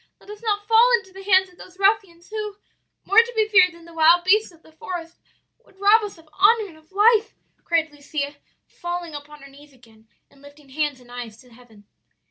let us not fall into the hands of those ruffians, who more to be feared than the wild beasts of the forest would rob us of honor and of life!' cried Lucia, falling upon her knees again, and lifting hands and eyes to heaven.